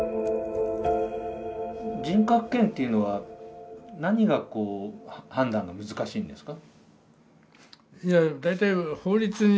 人格権というのは何がこう判断が難しいんですか？